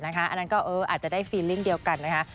อันนั้นก็อาจจะได้ฟีลิ่งเดียวกันนะคะ